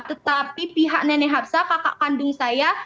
tetapi pihak nenek harsa kakak kandung saya